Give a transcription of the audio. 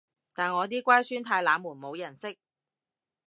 但我啲乖孫太冷門冇人識